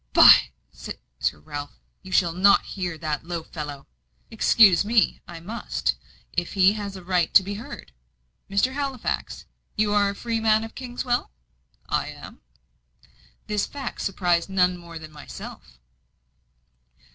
"By , Sir Ralph, you shall not hear that low fellow!" "Excuse me, I must, if he has a right to be heard. Mr. Halifax, you are a freeman of Kingswell?" "I am." This fact surprised none more than myself.